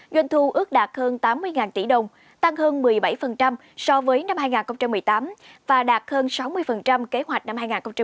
doanh thu ước đạt hơn tám mươi tỷ đồng tăng hơn một mươi bảy so với năm hai nghìn một mươi tám và đạt hơn sáu mươi kế hoạch năm hai nghìn một mươi chín